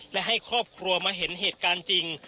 และให้ครอบครัวมาเห็นเหตุการณ์จริง